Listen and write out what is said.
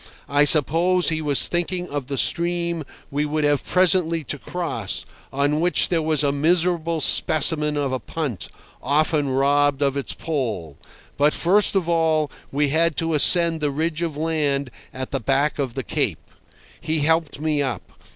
I suppose he was thinking of the stream we would have presently to cross, on which there was a miserable specimen of a punt, often robbed of its pole. But first of all we had to ascend the ridge of land at the back of the Cape. He helped me up.